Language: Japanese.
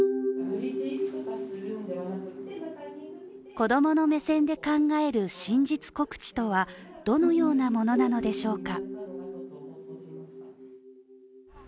子供の目線で考える真実告知とはどのようなものなのでしょうか。